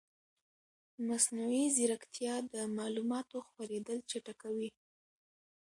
مصنوعي ځیرکتیا د معلوماتو خپرېدل چټکوي.